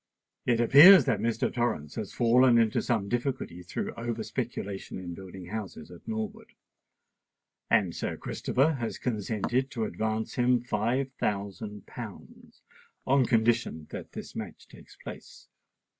It appears that Mr. Torrens has fallen into some difficulty through over speculation in building houses at Norwood; and Sir Christopher has consented to advance him five thousand pounds, on condition that this match takes place.